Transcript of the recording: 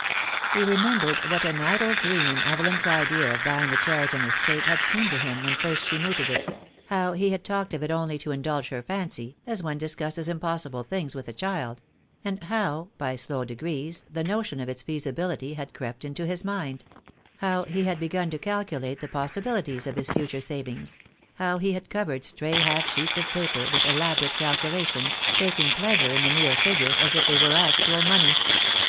He remembered what an I idle dream Evelyn's idea of buying the Cheriton estate I had seemed to him when first she mooted it; how he had | talked of it only to indulge her fancy, as one discusses I impossible things with a child; and how by slow degrees the notion of its feasibility had crept into his mind; how he had begun to calculate the possibilities of his future savings; how he had covered stray half sheets of paper with elaborate calculations, taking pleasure in the mere j figures as if they were actual money.